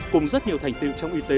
cùng rất nhiều thành tựu trong y tế